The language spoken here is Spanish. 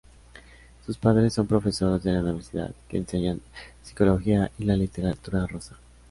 Sus padres son profesores de la Universidad, que enseñan psicología y la literatura rusa.